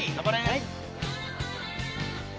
はい。